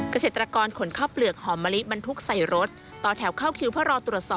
เกษตรกรขนข้าวเปลือกหอมมะลิบรรทุกใส่รส